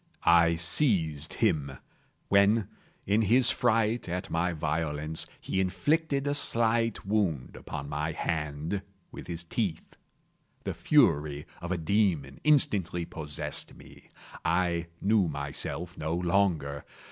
I seized him; when, in his fright at my violence, he inflicted a slight wound upon my hand with his teeth. The fury of a demon instantly possessed me. I knew myself no longer.